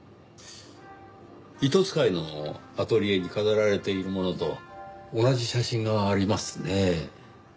糸使いのアトリエに飾られているものと同じ写真がありますねぇ。